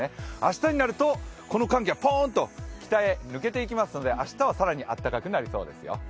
明日になるとこの寒気がポンと北へ抜けていきますので明日は更に暖かくなりそうですよ。